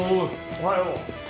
おはよう。